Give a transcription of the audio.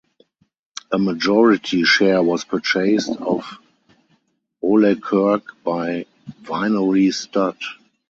A majority share was purchased of Ole Kirk by Vinery Stud.